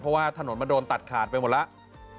เพราะว่าถนนมันโดนตัดขาดไปหมดแล้ว